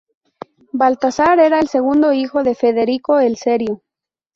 Baltasar era el segundo hijo de Federico el Serio.